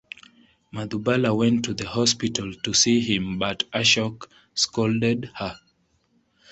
Madhubala went to the hospital to see him but Ashok scolded her.